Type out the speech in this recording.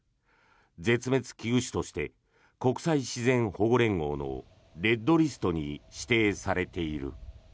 絶滅危惧種として国際自然保護連合のレッドリストに指定されている。